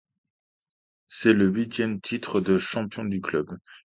C’est le huitième titre de champion du club.